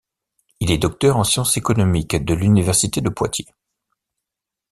Il est docteur en sciences économiques de l'université de Poitiers.